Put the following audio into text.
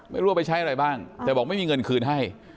ไม่รู้ว่าไปใช้อะไรบ้างแต่บอกไม่มีเงินคืนให้